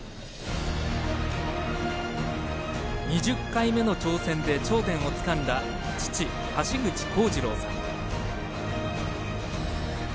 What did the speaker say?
２０回目の挑戦で頂点をつかんだ調教師だった父・橋口弘次郎さん。